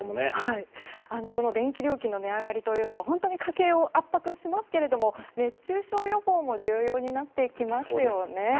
電気料金の値上がりというのは本当に家計を圧迫しますけれども熱中症予防も重要になってきますよね。